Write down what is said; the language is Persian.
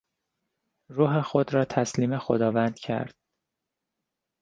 روح خود را تسلیم خداوند کرد.